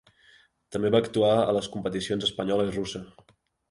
També va actuar a les competicions espanyola i russa.